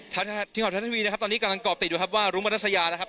ทัชทีวีนะครับตอนนี้กำลังเกาะติดดูครับว่ารุงปรณสยานะครับ